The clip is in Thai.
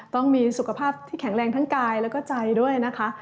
ต้องมีสุขภาพที่แข็งแรงทั้งกายแล้วก็ใจด้วยนะคะ